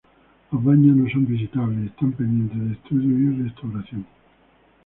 Los baños no son visitables y están pendientes de estudio y restauración.